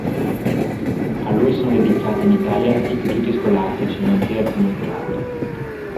A lui sono dedicati in Italia istituti scolastici nonché alcune strade.